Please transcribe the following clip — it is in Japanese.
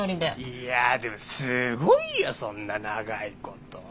いやでもすごいよそんな長いこと。